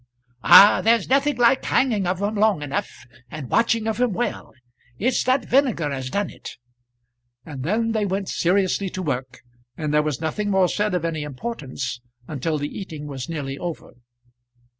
"Ah, there's nothing like hanging of 'em long enough, and watching of 'em well. It's that vinegar as done it;" and then they went seriously to work, and there was nothing more said of any importance until the eating was nearly over.